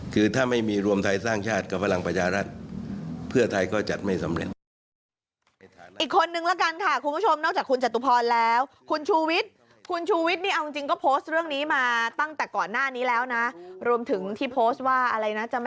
คือถ้าไม่มีรวมไทยสร้างชาติกับพลังประชารัฐเพื่อไทยก็จัดไม่สำเร็จ